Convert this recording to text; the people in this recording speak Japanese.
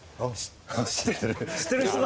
知ってる人だ！